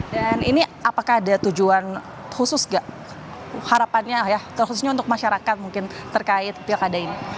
dan ini apakah ada tujuan khusus gak harapannya ya khususnya untuk masyarakat mungkin terkait pilkada ini